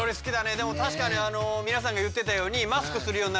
でも確かに皆さんが言ってたように確かにね。